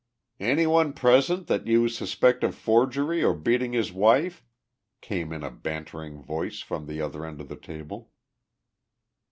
"Anyone present that you suspect of forgery or beating his wife?" came in a bantering voice from the other end of the table.